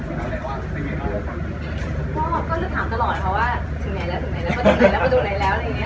ก็คือถามตลอดเพราะว่าถึงไหนแล้วถึงไหนแล้วมาดูไหนแล้วอะไรอย่างนี้